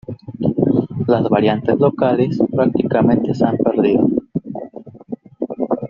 Las variantes locales prácticamente se han perdido.